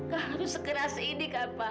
kalau sekeras ini kapa